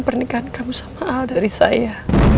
pernikahan kamu sama dari saya